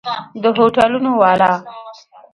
د هوټلونو والا!